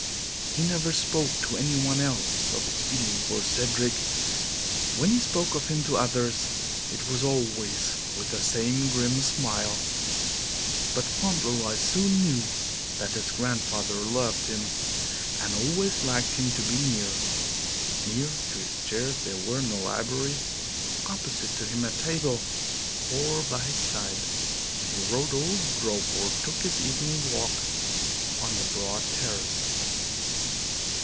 He never spoke to any one else of his feeling for Cedric; when he spoke of him to others it was always with the same grim smile. But Fauntleroy soon knew that his grandfather loved him and always liked him to be near near to his chair if they were in the library, opposite to him at table, or by his side when he rode or drove or took his evening walk on the broad terrace.